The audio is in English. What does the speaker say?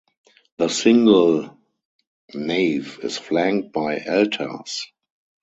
The single nave is flanked by altars.